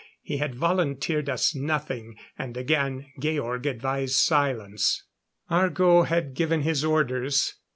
He had volunteered us nothing, and again Georg advised silence. Argo had given his orders.